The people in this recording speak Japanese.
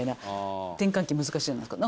転換期難しいじゃないですか。